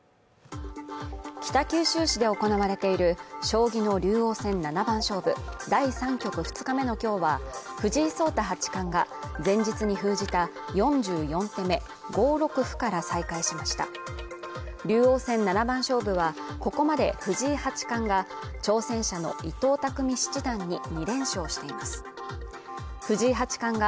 北九州市で行われている将棋の竜王戦七番勝負第３局２日目の今日は藤井聡太八冠が前日に封じた４４手目五六歩から再開しました竜王戦七番勝負はここまで藤井八冠が挑戦者の伊藤匠七段に２連勝しています